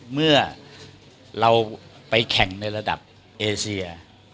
เมื่อเราไปแข่งในระดับเอเซีย